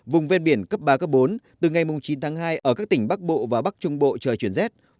vùng ven biển cấp ba bốn từ ngày chín tháng hai ở các tỉnh bắc bộ và bắc trung bộ trời chuyển rét